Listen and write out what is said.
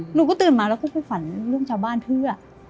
หนูก็ตื่นมาแล้วก็คือฝันเรื่องชาวบ้านเพื่อ